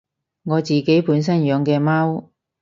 我自己本身養嘅貓